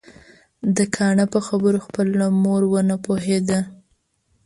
د کاڼه په خبرو خپله مور ونه پوهيده